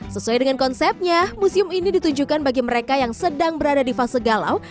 sesuai dengan konsepnya museum ini ditunjukkan bagi mereka yang sedang berada di fase galau